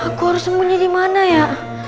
aduh aku harus sembunyi dimana ya